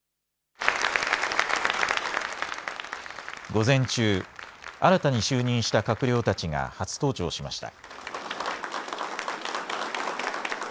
午前中、新たに就任した閣僚たちが初登庁しました。